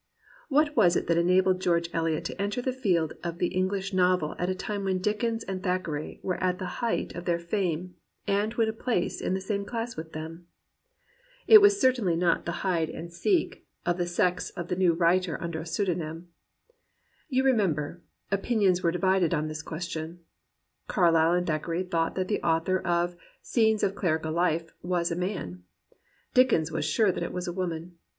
What was it that enabled George EHot to enter the field of the English novel at a time when Dick ens and Thackeray were at the height of their fame, and win a place in the same class with them ? It was certainly not the hide and seek of the sex 133 COMPANIONABLE BOOKS of the new writer under a pseudonym. You remem ber, opinions were divided on this question. Car lyle and Thackeray thought that the author of Scenes of Clerical Life was a man. Dickens was sure that it was a woman.